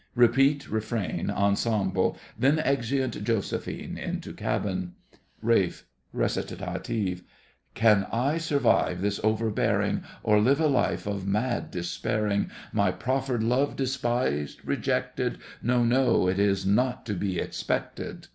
[Repeat refrain, ensemble, then exit JOSEPHINE into cabin. RALPH. (Recit.) Can I survive this overbearing Or live a life of mad despairing, My proffered love despised, rejected? No, no, it's not to be expected!